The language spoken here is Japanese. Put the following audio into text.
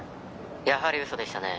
「やはり嘘でしたね」